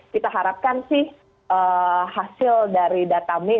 kita harapkan sih hasil dari data mee